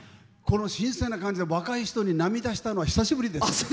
この新鮮な感じで若い人に涙したのは久しぶりです。